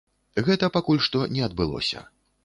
Гэта пакуль што не адбылося.